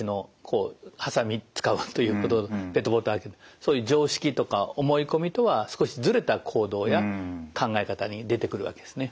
そういう常識とか思い込みとは少しズレた行動や考え方に出てくるわけですね。